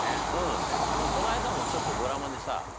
この間もちょっとドラマでさ。